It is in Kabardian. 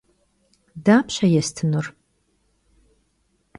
Dapşe yêstınur?